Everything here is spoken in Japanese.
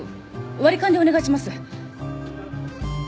割り勘でお願いします。